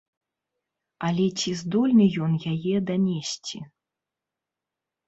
Але ці здольны ён яе данесці?